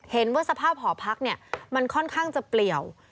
เห็นว่าสภาพหอพักเนี่ยมันค่อนข้างจะเปลี่ยว